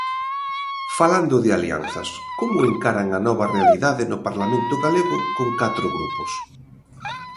Falando de alianzas, como encaran a nova realidade no Parlamento galego con catro grupos?